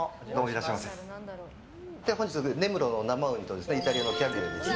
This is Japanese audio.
根室の生ウニとイタリアのキャビアです。